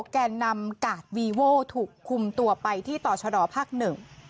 แก่นำกาดวีโว้ถูกคุมตัวไปที่ต่อชะดอภาคหนึ่ง